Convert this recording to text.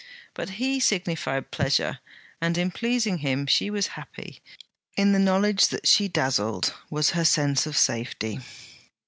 But he signified pleasure, and in pleasing him she was happy: in the knowledge that she dazzled, was her sense of safety.